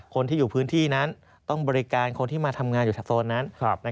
คนที่อยู่พื้นที่นั้นต้องบริการคนที่มาทำงานอยู่แถวโซนนั้น